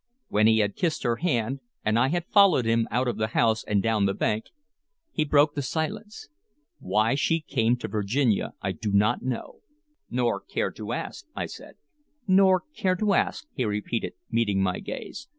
When he had kissed her hand, and I had followed him out of the house and down the bank, he broke the silence. "Why she came to Virginia I do not know " "Nor care to ask," I said. "Nor care to ask," he repeated, meeting my gaze.